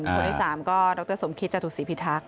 คนที่สามก็รสมคิตจสิพิทักษ์